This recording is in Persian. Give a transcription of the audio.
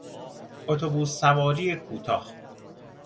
اتوبوس سواری کوتاه